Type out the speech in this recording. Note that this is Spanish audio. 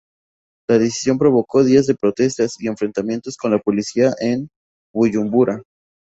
La decisión provocó días de protestas y enfrentamientos con la policía en Buyumbura.